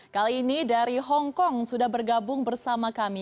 kali ini dari hongkong sudah bergabung bersama kami